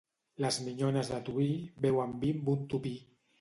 Les minyones de Tuïr beuen vi amb un tupí.